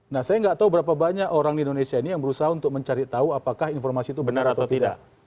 nah saya nggak tahu berapa banyak orang di indonesia ini yang berusaha untuk mencari tahu apakah informasi itu benar atau tidak